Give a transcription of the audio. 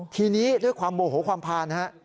ทีนี้ด้วยความโมโหความพานนะฮะ